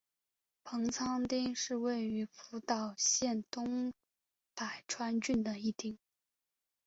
棚仓町是位于福岛县东白川郡的一町。